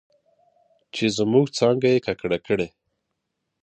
چې زموږ څانګه یې ککړه کړې